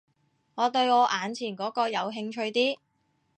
我對我眼前嗰個有興趣啲